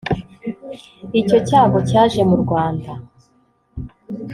icyo cyago cyaje mu rwanda